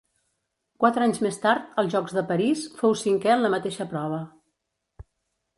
Quatre anys més tard, als Jocs de París, fou cinquè en la mateixa prova.